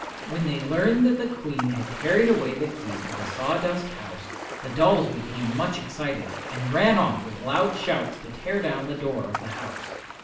When they learned that the Queen had carried away the key to the sawdust house the dolls became much excited and ran off with loud shouts to tear down the door of the house.